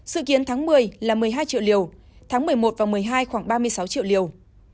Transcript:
sự kiến tháng một mươi là một mươi hai triệu liều tháng một mươi một và một mươi hai khoảng ba mươi sáu triệu liều